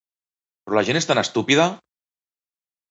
Però la gent és tan estúpida!